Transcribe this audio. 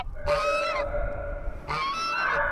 دغه زما غیور ولس دی!.